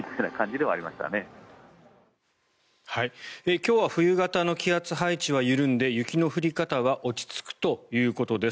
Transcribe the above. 今日は冬型の気圧配置は緩んで雪の降り方は落ち着くということです。